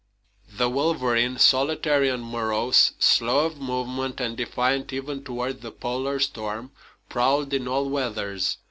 The wolverine, solitary and morose, slow of movement, and defiant even toward the Polar storm, prowled in all weathers.